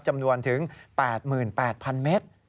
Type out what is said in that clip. จำนวนถึง๘๘๐๐๐เมตร